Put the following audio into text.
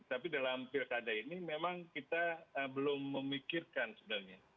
tapi dalam pilkada ini memang kita belum memikirkan sebenarnya